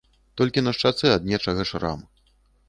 Толькі на шчацэ ад нечага шрам.